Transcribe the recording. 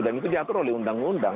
dan itu diatur oleh undang undang